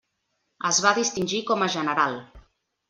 Es va distingir com a general.